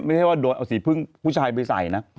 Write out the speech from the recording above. ไม่ใช่ว่าโดนเอาสีพึ่งผู้ชายไปใส่นะ